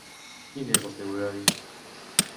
Quin és el seu horari?